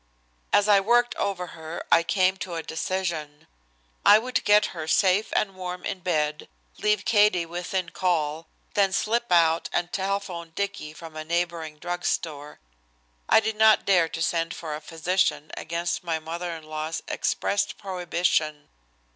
As I worked over her I came to a decision. I would get her safe and warm in bed, leave Katie within call, then slip out and telephone Dicky from the neighboring drug store. I did not dare to send for a physician against my mother in law's expressed prohibition.